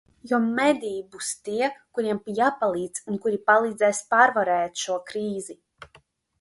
Jo mediji būs tie, kuriem jāpalīdz un kuri palīdzēs pārvarēt šo krīzi.